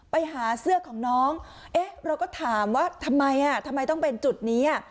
ไปหาเสื้อของน้องเอ๊ะเราก็ถามว่าทำไมอ่ะทำไมต้องเป็นจุดนี้อ่ะ